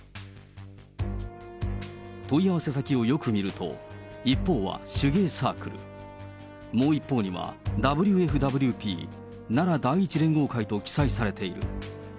問い合わせ先をよく見ると、一方は手芸サークル、もう一方には、ＷＦＷＰ奈良第１連合会と記載されている。